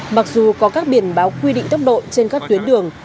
mặc dù có các biển báo quy định tốc độ trên các tuyến đường